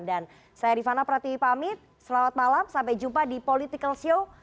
dan saya rifana pratwi pamit selamat malam sampai jumpa di political show